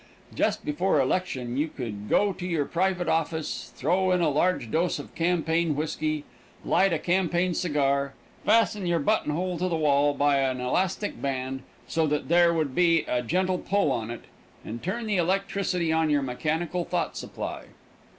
Just before election you could go into your private office, throw in a large dose of campaign whisky, light a campaign cigar, fasten your buttonhole to the wall by an elastic band, so that there would be a gentle pull on it, and turn the electricity on your mechanical thought supply.